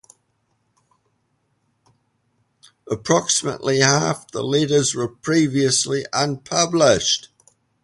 Approximately half the letters were previously unpublished.